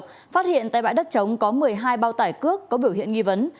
phát hiện tại bãi đất trống có một mươi hai bao tải cước có biểu hiện nghi vấn